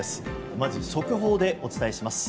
まず、速報でお伝えします。